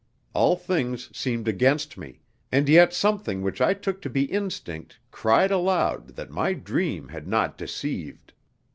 All things seemed against me, and yet something which I took to be instinct cried aloud that my dream had not deceived.